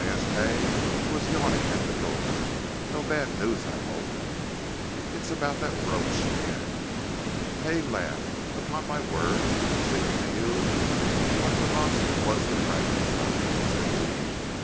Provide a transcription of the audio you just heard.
asked Hay, who was yawning at the door. "No bad news I hope?" "It's about that brooch again." Hay laughed. "Upon my word it seems to you what the Monster was to Frankenstein," said he.